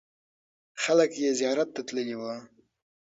خلک یې زیارت ته تللې وو.